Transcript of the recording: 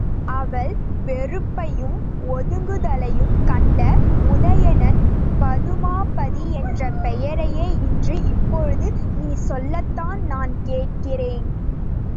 அவள் வெறுப்பையும் ஒதுங்குதலையும் கண்ட உதயணன் பதுமாபதி என்ற பெயரையே இன்று இப்போது நீ சொல்லத்தான் நான் கேட்கிறேன்.